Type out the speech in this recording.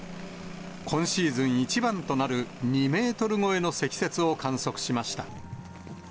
今シーズン一番となる２メートル超えの積雪を観測しました。